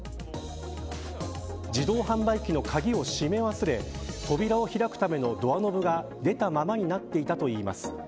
自動販売機の鍵をしめ忘れ扉を開くためのドアノブが出たままになっていたといいます。